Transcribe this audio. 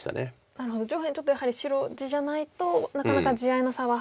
なるほど上辺ちょっとやはり白地じゃないとなかなか地合いの差はついたかなと。